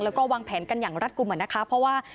แล้วก็วางแผนกันอย่างรัดกลุ่มอ่ะนะคะเพราะว่า